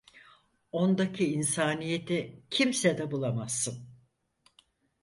Ondaki insaniyeti kimsede bulamazsın.